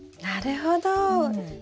なるほど。